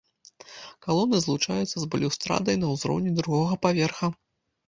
Калоны злучаюцца з балюстрадай на ўзроўні другога паверха.